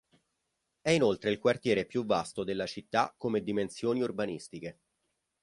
È inoltre il quartiere più vasto della città come dimensioni urbanistiche.